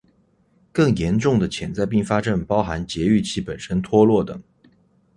更严重的潜在并发症包含节育器本身脱落等。